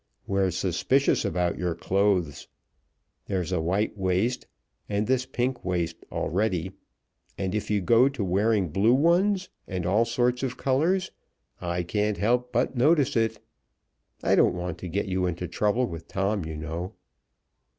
We're suspicious about your clothes. There's a white waist, and this pink waist, already, and if you go to wearing blue ones and all sorts of colors, I can't help but notice it. I don't want to get you into trouble with Tom, you know."